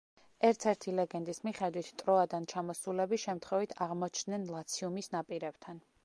ერთ-ერთი ლეგენდის მიხედვით ტროადან ჩამოსულები შემთხვევით აღმოჩდნენ ლაციუმის ნაპირებთან.